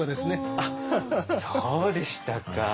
あそうでしたか。